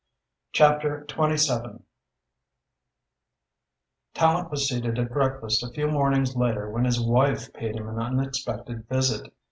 CHAPTER XIII Tallente was seated at breakfast a few mornings later when his wife paid him an unexpected visit.